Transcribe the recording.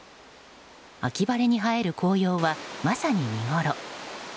秋晴れに映える紅葉はまさに見ごろ。